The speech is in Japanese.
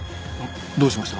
どうしました？